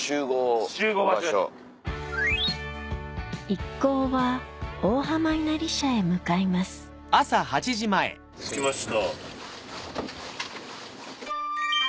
一行は大浜稲荷社へ向かいます着きました。